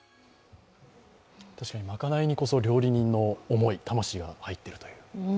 確かに、まかないにこそ料理人の思い、魂が入っているという。